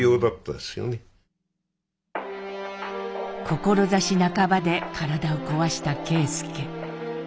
志半ばで体をこわした啓介。